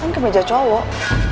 kan kemeja cowok